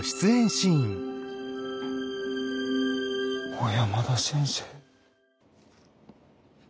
小山田先生？